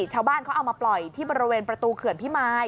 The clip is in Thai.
ชาวบ้านเขาเอามาปล่อยที่บริเวณประตูเขื่อนพิมาย